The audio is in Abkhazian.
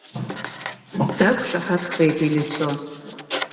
Дақәшаҳаҭхеит Елисо.